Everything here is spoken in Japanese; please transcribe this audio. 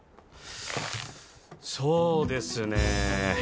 そうですねえ